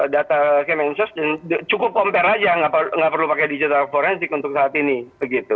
data kemensos cukup compare aja nggak perlu pakai digital forensik untuk saat ini begitu